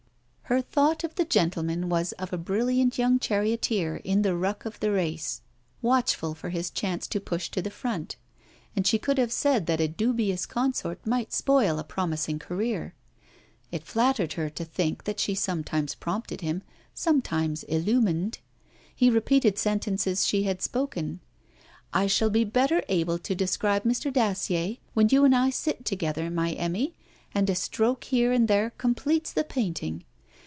Her thought of the gentleman was of a brilliant young charioteer in the ruck of the race, watchful for his chance to push to the front; and she could have said that a dubious consort might spoil a promising career. It flattered her to think that she sometimes prompted him, sometimes illumined. He repeated sentences she had spoken. 'I shall be better able to describe Mr. Dacier when you and I sit together, my Emmy, and a stroke here and there completes the painting.